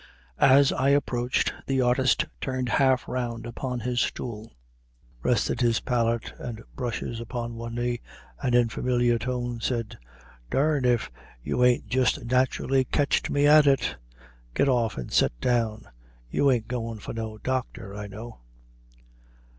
As I approached, the artist turned half round upon his stool, rested palette and brushes upon one knee, and in familiar tone said, "Dern'd if you ain't just naturally ketched me at it! Get off and set down. You ain't going for no doctor, I know."